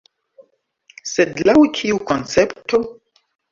Sed laŭ kiu koncepto?